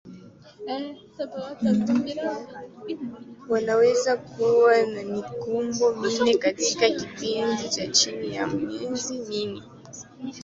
Wanaweza kuwa na mikumbo minne katika kipindi cha chini ya miezi minne.